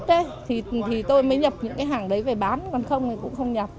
thì tôi mới nhập những cái hàng đấy về bán còn không thì cũng không nhập